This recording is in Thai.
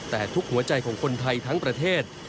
แต่ทุกหัวใจของคนไทยทั้งประเทศ